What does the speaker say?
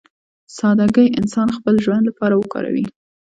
سادهګي انسان خپل ژوند لپاره وکاروي.